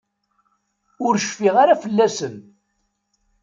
Ur cfiɣ ara fell-asen.